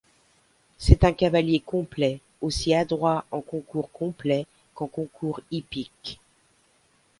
C'est un cavalier complet, aussi adroit en concours complet qu'en concours hippique.